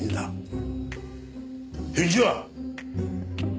返事は？